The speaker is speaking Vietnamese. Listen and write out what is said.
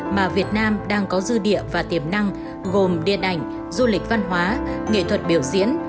mà việt nam đang có dư địa và tiềm năng gồm điện ảnh du lịch văn hóa nghệ thuật biểu diễn